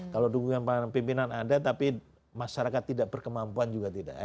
kalau dukungan pimpinan ada tapi masyarakat tidak berkemampuan juga tidak